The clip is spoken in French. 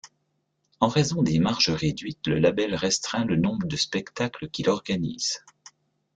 En raison des marges réduites, le label restreint le nombre de spectacles qu'il organise.